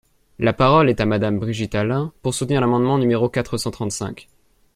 La parole est à Madame Brigitte Allain, pour soutenir l’amendement numéro quatre cent trente-cinq.